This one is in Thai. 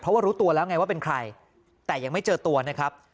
เพราะว่ารู้ตัวแล้วไงว่าเป็นใครแต่ยังไม่เจอตัวนะครับ